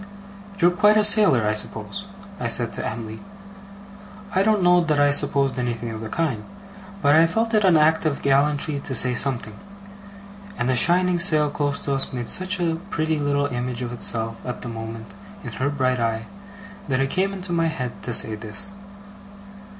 'You're quite a sailor, I suppose?' I said to Em'ly. I don't know that I supposed anything of the kind, but I felt it an act of gallantry to say something; and a shining sail close to us made such a pretty little image of itself, at the moment, in her bright eye, that it came into my head to say this.